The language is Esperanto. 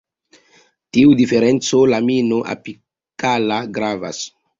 Tiu diferenco lamino-apikala gravas.